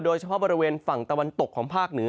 โดยเฉพาะบริเวณฝั่งตะวันตก